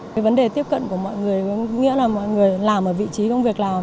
cái vấn đề tiếp cận của mọi người có nghĩa là mọi người làm ở vị trí công việc nào